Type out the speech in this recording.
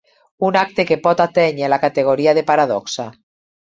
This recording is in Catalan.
Un acte que pot atènyer la categoria de paradoxa.